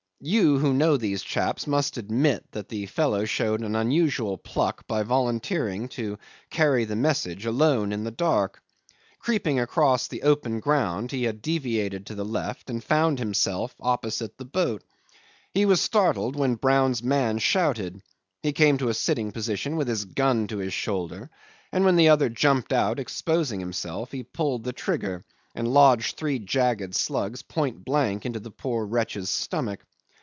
You who know these chaps must admit that the fellow showed an unusual pluck by volunteering to carry the message, alone, in the dark. Creeping across the open ground, he had deviated to the left and found himself opposite the boat. He was startled when Brown's man shouted. He came to a sitting position with his gun to his shoulder, and when the other jumped out, exposing himself, he pulled the trigger and lodged three jagged slugs point blank into the poor wretch's stomach.